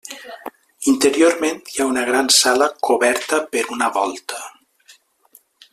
Interiorment, hi ha una gran sala coberta per una volta.